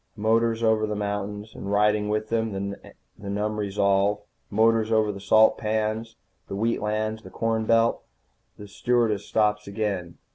Motors over the mountains. And riding with them, the numb resolve. Motors over the salt pans, the wheat lands, the corn belt. The stewardess stops again.